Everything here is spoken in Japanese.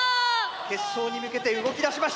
決勝に向けて動きだしました。